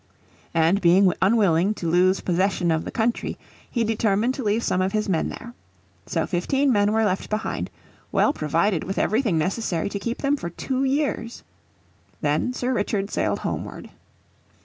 And being unwilling to lose possession of the country, he determined to leave some of his men there. So fifteen men were left behind, well provided with everything necessary to keep them for two years. Then Sir Richard sailed homeward.